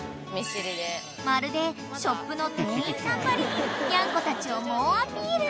［まるでショップの店員さんばりにニャンコたちを猛アピール］